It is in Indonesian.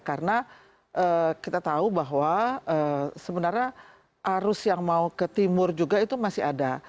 karena kita tahu bahwa sebenarnya arus yang mau ke timur juga itu masih ada